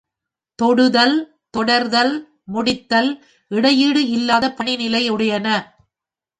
தொடுதல், தொடர்தல், முடித்தல் இடையீடு இல்லாத பணிநிலை உடையன.